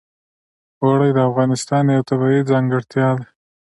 اوړي د افغانستان یوه طبیعي ځانګړتیا ده.